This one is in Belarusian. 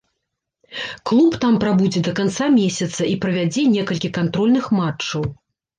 Клуб там прабудзе да канца месяца і правядзе некалькі кантрольных матчаў.